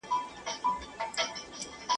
که علم په پښتو وي، نو د پوهې اړتیا به پوره سي.